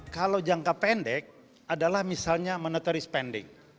kalau jangka pendek adalah misalnya mandatory spending